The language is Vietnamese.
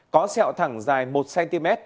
có xeo thẳng dài một cm